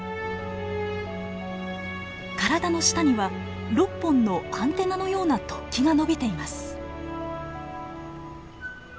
体の下には６本のアンテナのような突起が伸びています。